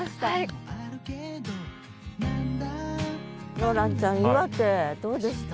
ローランちゃん岩手どうでした？